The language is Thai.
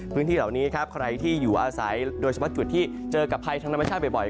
พื้นที่เหล่านี้ครับใครที่อยู่อาศัยโดยเฉพาะจุดที่เจอกับภัยทางธรรมชาติบ่อย